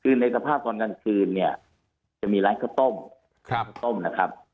คือในสภาพตอนกลางคืนเนี่ยจะมีร้านข้าวต้มข้าวต้มนะครับ